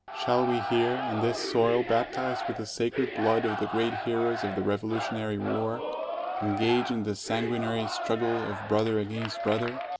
Shall we here, on this soil baptized with the sacred blood of the great heroes of the Revolutionary War, engage in the sanguinary struggle of brother against brother?